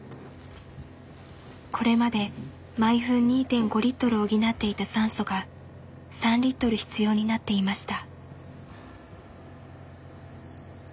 これまで毎分２．５リットルを補っていた酸素が３リットル必要になっていました。